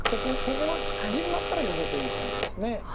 ここが地になったらヨセという感じです。